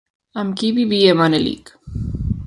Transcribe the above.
Amb qui vivia Manelic?